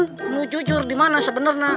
kamu jujur dimana sebenarnya